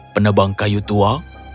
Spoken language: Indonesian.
penebang kayu tua